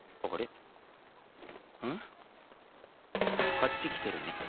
こっち来てるね。